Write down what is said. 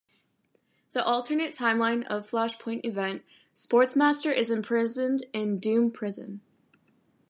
In the alternate timeline of the "Flashpoint" event, Sportsmaster is imprisoned in Doom prison.